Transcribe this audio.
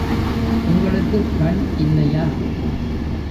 உங்களுக்குக் கண் இல்லையா?